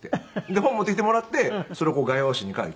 で本を持ってきてもらってそれを画用紙に描いて。